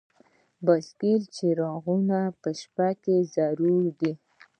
د بایسکل څراغونه په شپه کې ضروری دي.